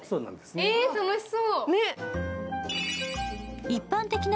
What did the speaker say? え、楽しそう。